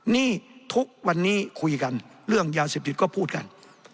นี่ทุกวันนี้คุยกันเรื่องยาเสพติดก็พูดกัน